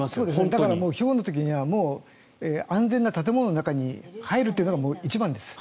だから、ひょうの時には安全な建物の中に入るというのが一番です。